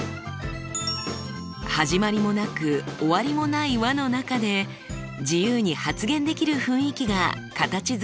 始まりもなく終わりもない輪の中で自由に発言できる雰囲気が形づくられていきます。